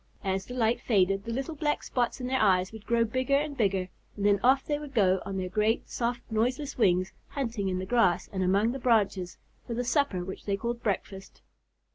As the light faded, the little black spots in their eyes would grow bigger and bigger, and then off they would go on their great soft, noiseless wings, hunting in the grass and among the branches for the supper which they called breakfast.